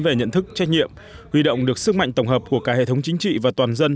về nhận thức trách nhiệm huy động được sức mạnh tổng hợp của cả hệ thống chính trị và toàn dân